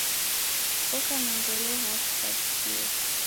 Koka na ngolo hafu sa wu'siri